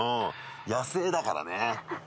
野生だからね。